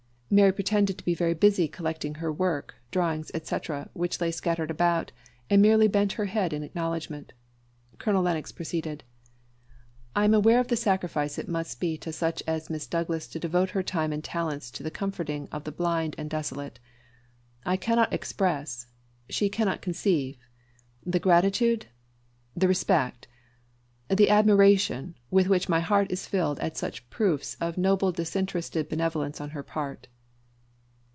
Mary pretended to be very busy collecting her work, drawings, etc., which lay scattered about, and merely bent her head in acknowledgment. Colonel Lennox proceeded "I am aware of the sacrifice it must be to such as Miss Douglas to devote her time and talents to the comforting of the blind and desolate; and I cannot express she cannot conceive the gratitude the respect the admiration, with which my heart is filled at such proofs of noble disinterested benevolence on her part."